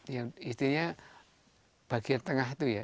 yang istilahnya bagian tengah itu ya